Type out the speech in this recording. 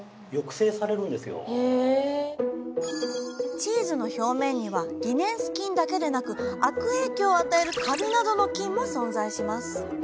チーズの表面にはリネンス菌だけでなく悪影響を与えるカビなどの菌も存在します。